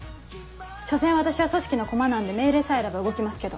所詮私は組織のコマなんで命令さえあれば動きますけど。